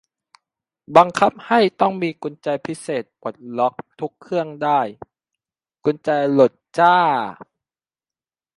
บังคับให้ต้องมีกุญแจพิเศษปลดล็อกทุกเครื่องได้ กุญแจหลุดจ้า